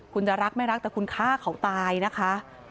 คุณจะรักไม่รักแต่คุณฆ่าเขาตายนะคะ